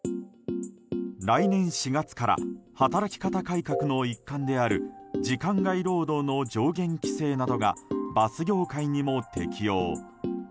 来年４月から働き方改革の一環である時間外労働の上限規制などがバス業界にも適用。